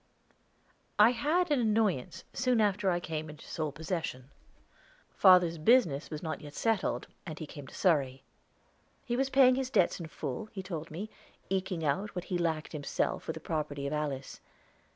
I had an annoyance, soon after I came into sole possession. Father's business was not yet settled, and he came to Surrey. He was paying his debts in full, he told me, eking out what he lacked himself with the property of Alice.